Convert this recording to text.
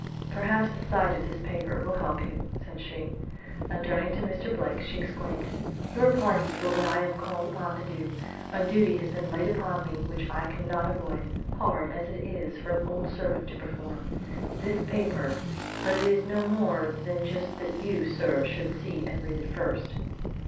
"Perhaps the sight of this paper will help you," said she. And turning to Mr. Blake she exclaimed, "Your pardon for what I am called upon to do. A duty has been laid upon me which I cannot avoid, hard as it is for an old servant to perform. This paper but it is no more than just that you, sir, should see and read it first."